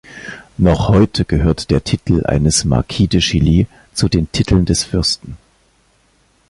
Noch heute gehört der Titel eines Marquis de Chilly zu den Titeln des Fürsten.